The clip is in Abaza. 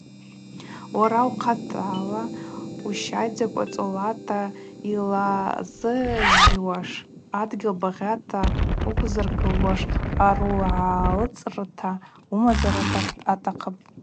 Уара ухъатала уыщайдзаква цӏолата йлазыжьуаш, адгьыл багъьата уыквзыргылуаш къаругӏалцӏырта уымазаара атахъыпӏ.